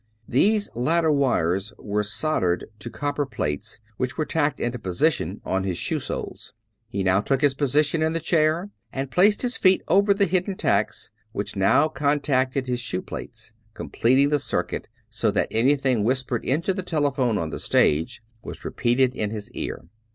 These latter wires were soldered to copper plates which were tacked into position on his shoe soles. He now took his position in the chair and placed his feet over the hidden tacks, which now contacted his shoe plates, completing the circuit, so that anything whispered into the telephone on the stage was repeated in his ear.